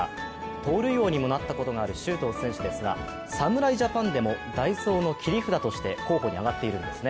盗塁王にもなったことがある周東選手ですが侍ジャパンでも代走の切り札として候補に挙がっているんですね。